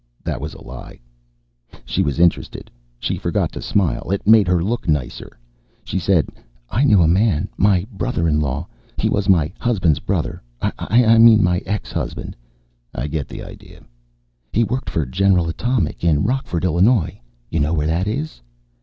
That was a lie. She was interested. She forgot to smile. It made her look nicer. She said, "I knew a man my brother in law he was my husband's brother I mean my ex husband " "I get the idea." "He worked for General Atomic. In Rockford, Illinois. You know where that is?"